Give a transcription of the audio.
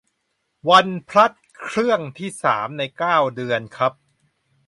วันพลัสเครื่องที่สามในเก้าเดือนครับ